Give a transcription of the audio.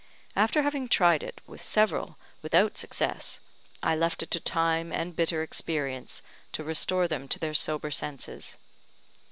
After having tried it with several without success, I left it to time and bitter experience to restore them to their sober senses.